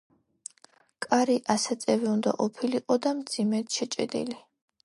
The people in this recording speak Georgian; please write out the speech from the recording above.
კარი ასაწევი უნდა ყოფილიყო და მძიმედ შეჭედილი.